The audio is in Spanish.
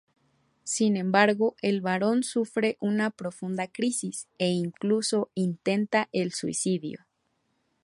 Sin embargo, el barón sufre una profunda crisis, e incluso intenta el suicidio.